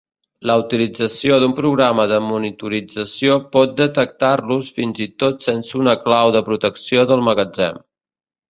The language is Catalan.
La utilització d"un programa de monitorització pot detectar-los fins i tot sense una clau de protecció del magatzem.